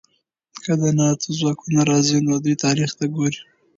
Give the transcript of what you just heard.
که د ناټو ځواکونه راځي، نو دوی تاریخ ته ګوري.